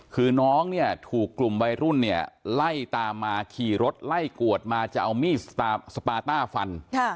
คือน้องเนี่ยถูกกลุ่มวัยรุ่นเนี่ยไล่ตามมาขี่รถไล่กวดมาจะเอามีดสปาต้าฟัน